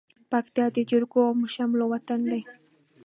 پکتيا د جرګو او شملو وطن دى.